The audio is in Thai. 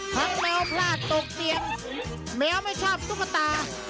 ทั้งแมวพลาดโต๊ะเตียงแมวไม่ชอบสุขตา